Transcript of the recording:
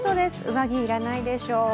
上着、要らないでしょう。